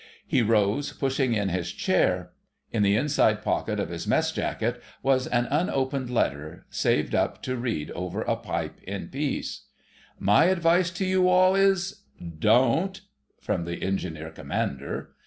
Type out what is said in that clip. He rose, pushing in his chair. In the inside pocket of his mess jacket was an unopened letter, saved up to read over a pipe in peace, "My advice to you all is——" "'Don't,'" from the Engineer Commander.